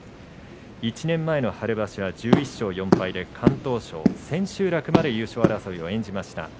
１年前の春場所は１１勝４敗で敢闘賞千秋楽まで優勝争いを演じました。